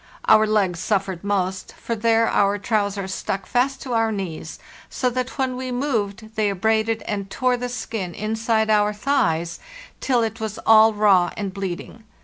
Our legs suffered most; for there our trousers stuck fast to our knees, so that when we moved they abraded and tore the skin inside our thighs till it was all raw and bleeding.